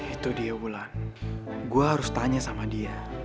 itu dia bulan gue harus tanya sama dia